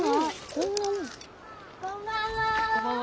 こんばんは。